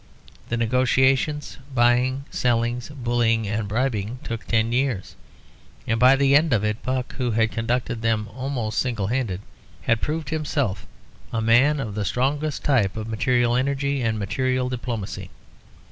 The negotiations, buyings, sellings, bullying and bribing took ten years, and by the end of it Buck, who had conducted them almost single handed, had proved himself a man of the strongest type of material energy and material diplomacy.